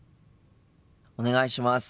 お願いします。